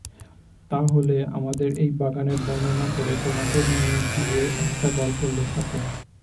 তা হলে আমাদের এই বাগানের বর্ণনা করে তোমাকে দিয়ে একটা গল্প লেখাতুম।